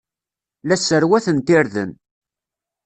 La sserwatent irden.